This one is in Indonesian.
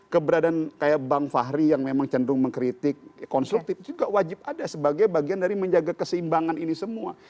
keberadaan kayak bang fahri yang memang cenderung mengkritik konstruktif juga wajib ada sebagai bagian dari menjaga keseimbangan ini semua